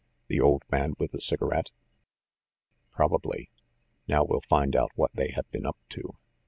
"The old man with the cigarette?" "Probably. Now we'll find out what they have been up to."